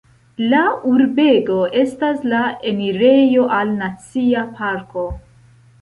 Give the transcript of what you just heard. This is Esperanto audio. La urbego estas la enirejo al Nacia Parko.